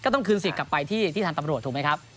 ต้องคืนสิทธิ์กลับไปที่ทางตำรวจถูกไหมครับ